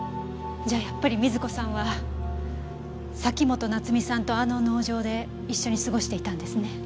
じゃあやっぱり瑞子さんは崎本菜津美さんとあの農場で一緒に過ごしていたんですね。